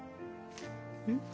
えっ？